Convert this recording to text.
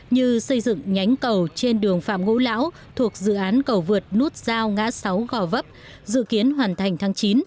như xây dựng nhánh cầu trên đường phạm ngũ lão thuộc dự án cầu vượt nút giao ngã sáu gò vấp dự kiến hoàn thành tháng chín